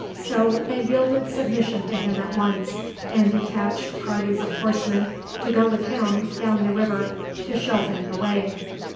So they yielded submission to him at once, and detached parties of horsemen to go with him down the river to show him the way.